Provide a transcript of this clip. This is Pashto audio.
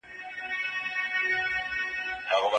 چاغښت د سرطان خطر زیاتوي.